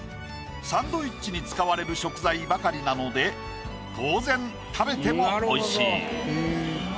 サンドイッチに使われる食材ばかりなので当然食べても美味しい。